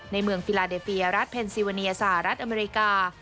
ในเมืองฟิลาเดเปียรัฐเพนซิวาเนียสหรัฐอเมริกา